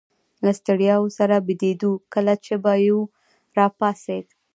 له ستړیا سره بیدېدو، کله چي به یو راپاڅېد.